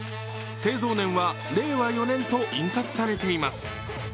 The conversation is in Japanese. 製造年は令和４年と印刷されています。